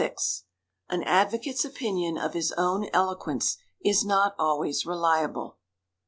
AN ADVOCATE'S OPINION OF HIS OWN ELOQUENCE IS NOT ALWAYS RELIABLE.